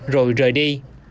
rồi rời đi